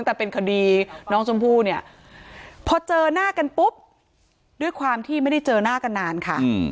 แต่เป็นคดีน้องชมพู่เนี่ยพอเจอหน้ากันปุ๊บด้วยความที่ไม่ได้เจอหน้ากันนานค่ะ